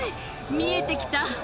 見えて来た。